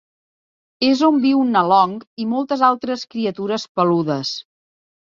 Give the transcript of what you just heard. És on viu Nalong i moltes altres criatures peludes.